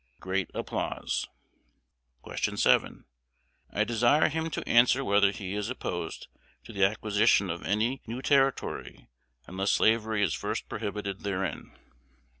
[Great applause.] Q 7. "I desire him to answer whether he is opposed to the acquisition of any new territory unless slavery is first prohibited therein."